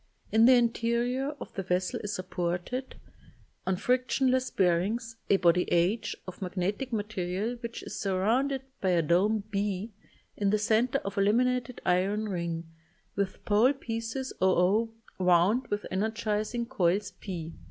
In the interior of the vessel is supported, on frictionless bearings, a body h of magnetic material which is surrounded by a dome b in the center of a laminated iron ring, with pole pieces oo wound with energizing coils p.